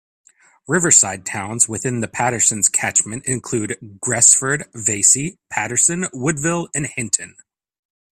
Riverside towns within the Paterson's catchment include Gresford, Vacy, Paterson, Woodville and Hinton.